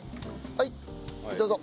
はいどうぞ。